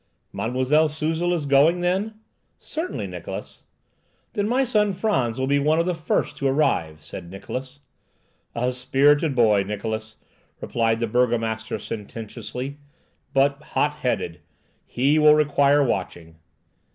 "Mademoiselle Suzel is going then?" "Certainly, Niklausse." "Then my son Frantz will be one of the first to arrive," said Niklausse. "A spirited boy, Niklausse," replied the burgomaster sententiously; "but hot headed! He will require watching!"